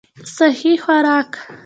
سهي خوراک